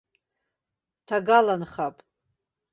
Ҭагаланхап.